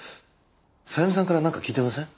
さゆみさんからなんか聞いてません？